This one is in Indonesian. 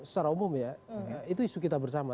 secara umum ya itu isu kita bersama